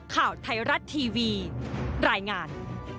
ข่าวไทยรัฐทีวีรายงาน